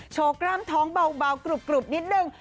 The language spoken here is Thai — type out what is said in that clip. กล้ามท้องเบากรุบนิดนึง